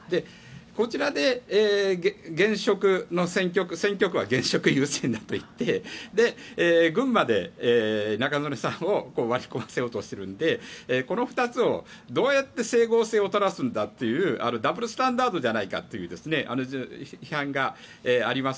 こちらで選挙区は現職優先だと言って群馬で中曽根さんを巻き込ませようとしているのでこの２つをどうやって整合性を取らすんだというダブルスタンダードじゃないかという批判があります。